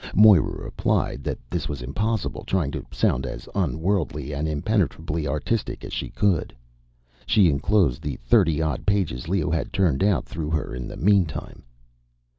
Moira replied that this was impossible, trying to sound as unworldly and impenetrably artistic as she could. She enclosed the thirty odd pages Leo had turned out through her in the meantime.